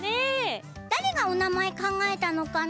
だれがおなまえかんがえたのかな？